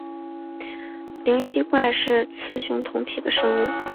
灵吸怪是雌雄同体的生物。